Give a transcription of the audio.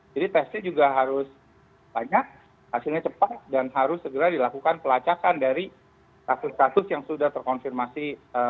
jadi tesnya juga harus banyak hasilnya cepat dan harus segera dilakukan pelacakan dari kasus kasus yang sudah terkonfirmasi